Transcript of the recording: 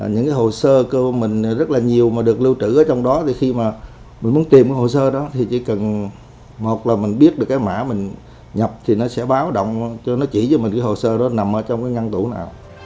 những cái hồ sơ của mình rất là nhiều mà được lưu trữ ở trong đó thì khi mà mình muốn tìm cái hồ sơ đó thì chỉ cần một là mình biết được cái mã mình nhập thì nó sẽ báo động cho nó chỉ cho mình cái hồ sơ đó nằm ở trong cái ngăn tủ nào